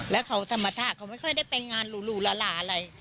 แล้วเขาสมทะเขาไม่เคยได้เป็นงานหรูหรูหล่าหล่าอะไร